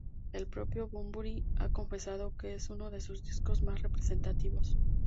El propio Bunbury ha confesado que es uno de sus discos más representativos.